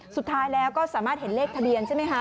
สุดท้ายแล้วก็สามารถเห็นเลขทะเบียนใช่ไหมคะ